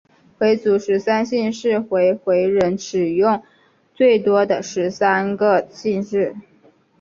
回族十三姓是回回人使用最多的十三个姓氏。